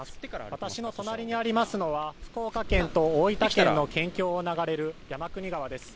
私の隣にありますのは、福岡県と大分県の県境を流れる山国川です。